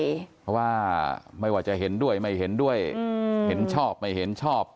เพราะว่าไม่ว่าจะเห็นด้วยไม่เห็นด้วยเห็นชอบไม่เห็นชอบ